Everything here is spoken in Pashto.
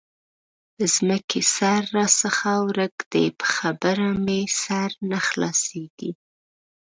د ځمکې سره راڅخه ورک دی؛ په خبره مې سر نه خلاصېږي.